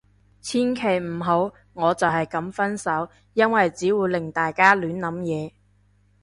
千祈唔好，我就係噉分手。因為只會令大家亂諗嘢